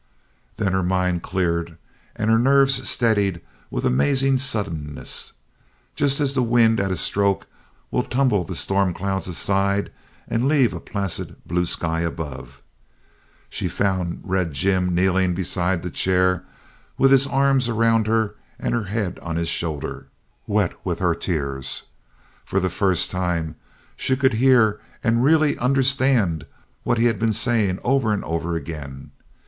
Then her mind cleared and her nerves steadied with amazing suddenness, just as the wind at a stroke will tumble the storm clouds aside and leave a placid blue sky above. She found Red Jim kneeling beside the chair with his arms around her and her head on his shoulder, wet with her tears. For the first time she could hear and really understand what he had been saying over and over again.